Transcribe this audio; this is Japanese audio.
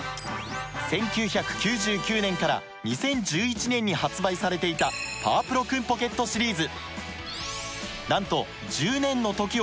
１９９９年から２０１１年に発売されていた「パワプロクンポケット」シリーズ。